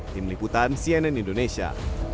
tim liputan cnn indonesia